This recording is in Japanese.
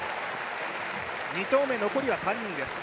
２投目、残りは３人です。